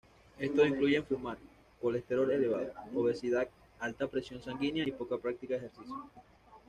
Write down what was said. Estos incluyen fumar, colesterol elevado, obesidad, alta presión sanguínea, y poca práctica de ejercicio.